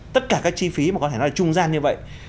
tất cả các chi phí mà có thể nói là trung gian như vậy